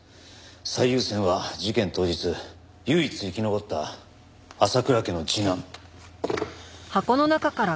最優先は事件当日唯一生き残った浅倉家の次男。